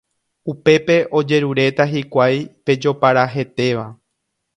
upépe ojeruréta hikuái pe jopara hetéva.